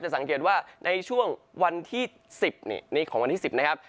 สังเกตว่าในช่วงวันที่๑๐นี่ของวันที่๑๐นะครับ